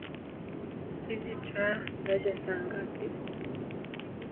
Hizi taa zaja saa ngapi?